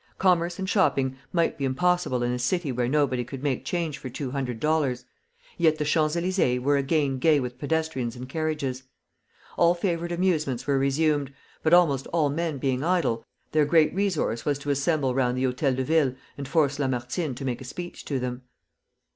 Commerce and shopping might be impossible in a city where nobody could make change for two hundred dollars, yet the Champs Elysées were again gay with pedestrians and carriages. All favorite amusements were resumed, but almost all men being idle, their great resource was to assemble round the Hôtel de Ville and force Lamartine to make a speech to them.